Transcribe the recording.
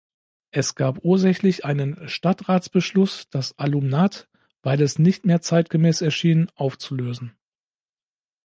Es gab ursächlich einen Stadtratsbeschluss, das Alumnat, weil es nicht mehr zeitgemäß erschien, aufzulösen.